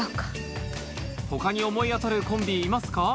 他に思い当たるコンビいますか？